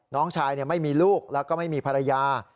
น้องชายไม่มีลูกแล้วก็ไม่มีภรรยา